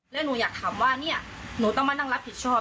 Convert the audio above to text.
แล้วหนูอยากถามว่าเนี่ยหนูต้องมานั่งรับผิดชอบ